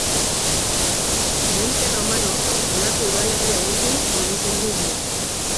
Monte Romanok honako udalerri hauekin egiten du muga.